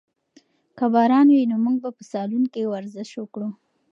که باران وي نو موږ به په سالون کې ورزش وکړو.